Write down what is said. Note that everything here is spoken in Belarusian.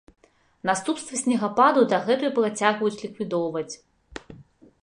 Наступствы снегападу дагэтуль працягваюць ліквідоўваць.